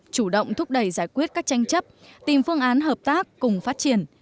chủ động thúc đẩy giải quyết các tranh chấp tìm phương án hợp tác cùng phát triển